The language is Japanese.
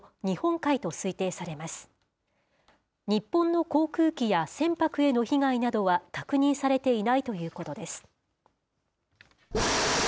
日本の航空機や船舶への被害などは確認されていないということです。